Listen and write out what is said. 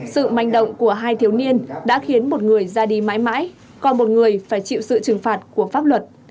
sự manh động của hai thiếu niên đã khiến một người ra đi mãi mãi còn một người phải chịu sự trừng phạt của pháp luật